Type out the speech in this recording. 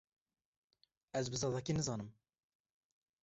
Ez bi zazakî nizanim.